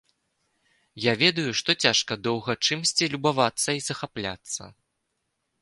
Я ведаю, што цяжка доўга чымсьці любавацца і захапляцца.